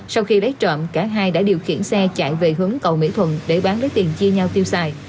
sau khi lấy trộm cả hai đã điều khiển xe chạy về hướng cầu mỹ thuận để bán lấy tiền chia nhau tiêu xài